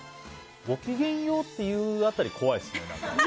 ごきげんようと言う辺りが怖いですね。